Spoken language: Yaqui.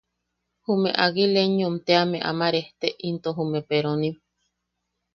Jume Aguilenyom teame ama rejte into jume peronim.